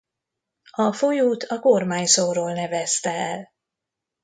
A folyót a kormányzóról nevezte el.